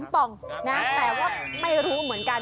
ป่องนะแต่ว่าไม่รู้เหมือนกัน